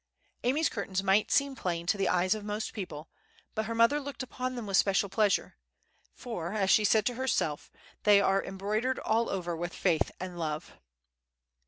Amy's curtains might seem plain to the eyes of most people, but her mother looked upon them with special pleasure; for, as she said to herself, "they are embroided all over with faith and love."